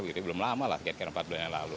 jadi belum lama lah sekitar empat bulan yang lalu